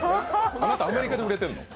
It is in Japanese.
あなたアメリカで売れてんの？